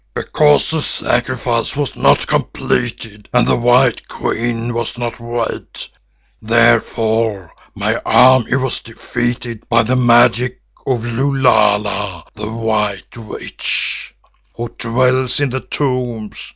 Because the sacrifice was not completed and the white queen was not wed, therefore my army was defeated by the magic of Lulala, the White Witch who dwells in the tombs.